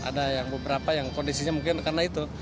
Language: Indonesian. ada yang beberapa yang kondisinya mungkin karena itu